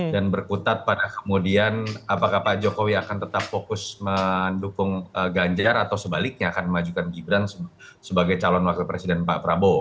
dan berkutat pada kemudian apakah pak jokowi akan tetap fokus mendukung ganjar atau sebaliknya akan memajukan gibran sebagai calon wakil presiden pak prabowo